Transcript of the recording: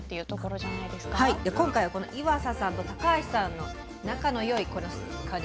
今回はこの岩佐さんと高橋さんの仲の良いこの。